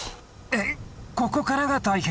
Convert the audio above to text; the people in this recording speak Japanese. えっここからが大変？